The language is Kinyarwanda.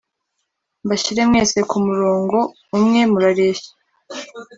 mbashyire mwese ku murongo umwe murareshya